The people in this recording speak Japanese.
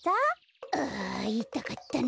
あいたかったな。